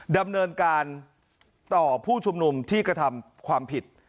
ดำเนินการต่อผู้ชุมนุมที่กระทำความผิด